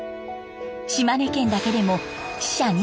島根県だけでも死者２６人。